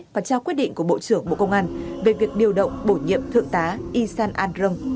và trao quyết định của bộ trưởng bộ công an về việc điều động bổ nhiệm thượng tá isan andron